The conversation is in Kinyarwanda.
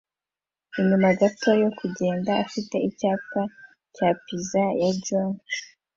inyuma gato yo kugenda afite icyapa cya Pizza ya John